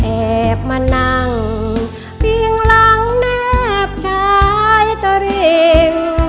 แอบมานั่งเตียงหลังแนบชายตริง